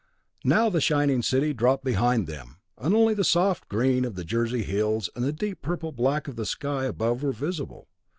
Now the shining city dropped behind them, and only the soft green of the Jersey hills, and the deep purple black of the sky above were visible.